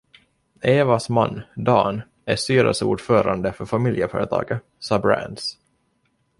Evas man, Dan, är styrelseordförande för familjeföretaget, Sabrands.